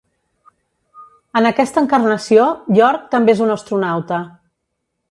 En aquesta encarnació, York també és un astronauta.